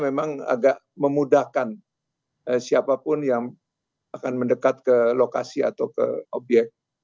memang agak memudahkan siapapun yang akan mendekat ke lokasi atau ke obyek